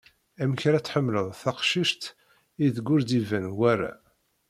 Amek ar ad tḥemmeled taqcict ideg ur-d iban wara?